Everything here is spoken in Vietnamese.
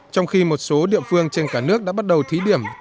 trong khi một số địa phương trên cả nước đã bắt đầu thí điểm